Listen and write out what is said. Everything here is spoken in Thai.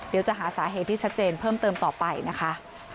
เดี๋ยวจะหาสาเหตุที่ชัดเจนเพิ่มเติมต่อไปนะคะ